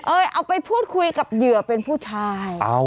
เอาไปพูดคุยกับเหยื่อเป็นผู้ชาย